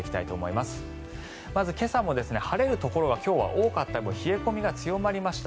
まず今朝も晴れるところが今日は多かった分冷え込みが強まりました。